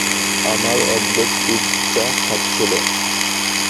আমার অর্ধেক পিজ্জা খাচ্ছিল।